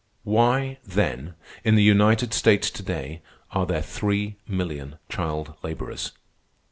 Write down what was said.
Why then, in the United States to day, are there three million child laborers?